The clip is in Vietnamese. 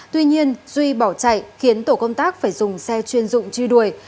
tuy nhiên duy bỏ chạy khiến tổ công tác phải dùng xe chuyên dụng truy đuổi